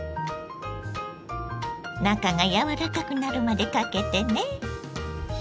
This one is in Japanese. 中がやわらかくなるまでかけてね。